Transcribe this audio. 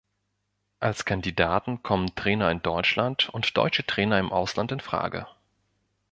Als Kandidaten kommen Trainer in Deutschland und deutsche Trainer im Ausland in Frage.